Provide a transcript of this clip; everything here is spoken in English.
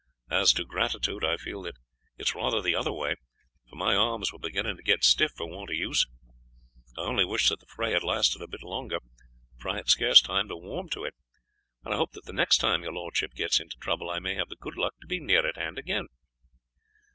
As to gratitude, I feel that it is rather the other way, for my arms were beginning to get stiff for want of use. I only wish that the fray had lasted a bit longer, for I had scarce time to warm to it, and I hope that the next time your lordship gets into trouble I may have the good luck to be near at hand again."